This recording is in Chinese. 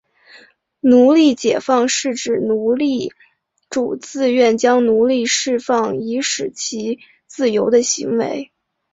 奴隶解放是指奴隶主自愿将奴隶释放以使其自由的行为。